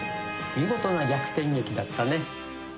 見事な逆転劇だったね。